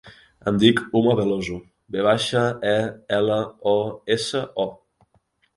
Em dic Uma Veloso: ve baixa, e, ela, o, essa, o.